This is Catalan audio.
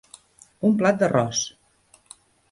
Un plat d'arròs.